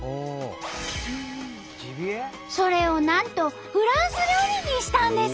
それをなんとフランス料理にしたんです！